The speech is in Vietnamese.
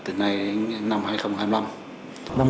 từ nay đến năm hai nghìn hai mươi năm